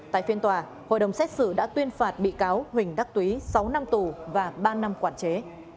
tại phiên tòa hội đồng xét xử đã tuyên phạt bị cáo huỳnh đắc túy sáu năm tù và ba năm quản chế